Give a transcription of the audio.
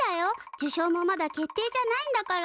受賞もまだ決定じゃないんだから。